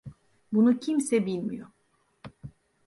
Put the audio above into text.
Bunu kimse bilmiyor.